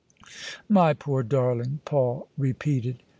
" My poor darling! " Paul repeated.